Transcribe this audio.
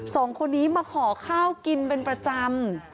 สองคนนี้มาขอข้าวกินเป็นประจำ